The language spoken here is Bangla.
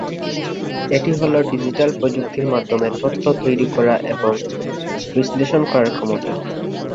এটি হল ডিজিটাল প্রযুক্তির মাধ্যমে তথ্য তৈরী করার এবং বিশ্লেষন করার ক্ষমতা।